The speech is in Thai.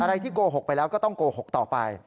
ที่โกหกไปแล้วก็ต้องโกหกต่อไป